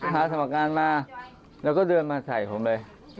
สมัครงานมาแล้วก็เดินมาใส่ผมเลย